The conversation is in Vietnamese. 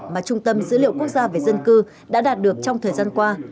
mà trung tâm dữ liệu quốc gia về dân cư đã đạt được trong thời gian qua